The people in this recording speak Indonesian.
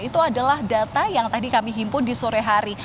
itu adalah data yang tadi kami himpun di sore hari